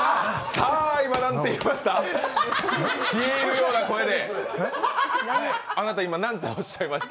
さぁ、今なんて言いました？